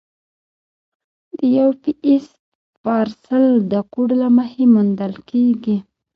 د یو پي ایس پارسل د کوډ له مخې موندل کېږي.